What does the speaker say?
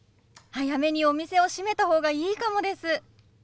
早めにお店を閉めた方がいいかもです。